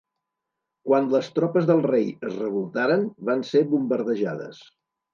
Quan les tropes del rei es revoltaren, van ser bombardejades.